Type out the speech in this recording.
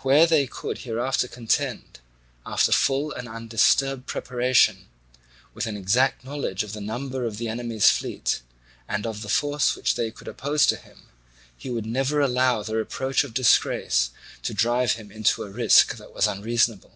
Where they could hereafter contend, after full and undisturbed preparation, with an exact knowledge of the number of the enemy's fleet and of the force which they could oppose to him, he would never allow the reproach of disgrace to drive him into a risk that was unreasonable.